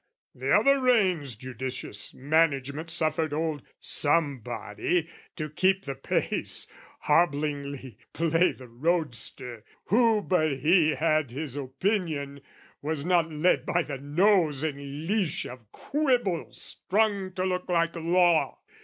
"The other rein's judicious management "Suffered old Somebody to keep the pace, "Hobblingly play the roadster: who but he "Had his opinion, was not led by the nose "In leash of quibbles strung to look like law!